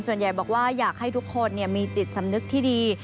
ส่วนใหญ่บอกว่าอยากให้ทุกคนมีจิตสำนึกที่ดี